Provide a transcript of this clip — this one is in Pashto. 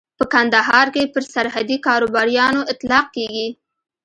په کندهار کې پر سرحدي کاروباريانو اطلاق کېږي.